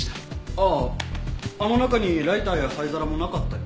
あああの中にライターや灰皿もなかったよ。